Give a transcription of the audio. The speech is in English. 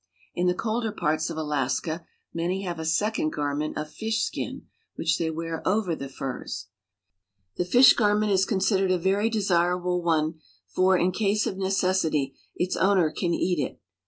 In the colder parts of Alaska many have a second garment of fishskin, which they wear over the furs. The fishskin garment is considered a very de sirable one, for, in case of necessity, its owner can eat it.